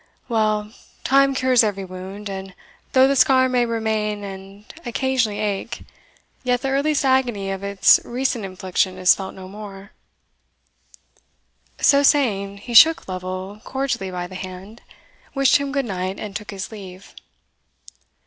Well, time cures every wound, and though the scar may remain and occasionally ache, yet the earliest agony of its recent infliction is felt no more." So saying, he shook Lovel cordially by the hand, wished him good night, and took his leave.